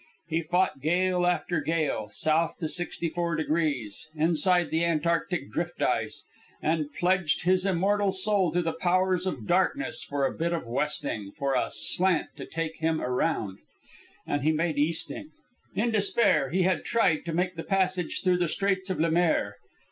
He fought gale after gale, south to 64 degrees, inside the antarctic drift ice, and pledged his immortal soul to the Powers of Darkness for a bit of westing, for a slant to take him around. And he made easting. In despair, he had tried to make the passage through the Straits of Le Maire.